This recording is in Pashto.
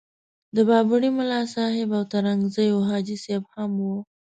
د بابړي ملاصاحب او ترنګزیو حاجي صاحب هم وو.